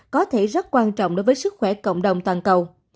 có thể rất quan trọng đối với sức khỏe cộng đồng toàn cầu